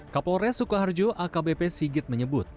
kapolres sukoharjo akbp sigit menyebut